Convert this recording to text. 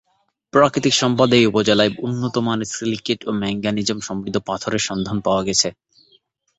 প্রাকৃতিক সম্পদ এ উপজেলায় উন্নতমানের সিলিকেট ও ম্যাঙ্গানিজসমৃদ্ধ পাথরের সন্ধান পাওয়া গেছে।